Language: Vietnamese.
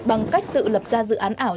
bằng cách tự lập ra dự án ảo